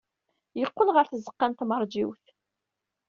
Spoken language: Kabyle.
Yeqqel ɣer tzeɣɣa n tmeṛjiwt.